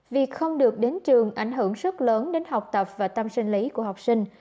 việc không được đến trường ảnh hưởng rất lớn đến học tập và tâm sinh lý của học sinh